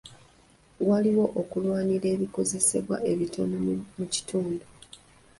Waliwo okulwanira ebikozesebwa ebitono mu kitundu.